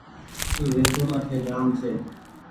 اي زيتونٚ اٺي جآم ڇي۔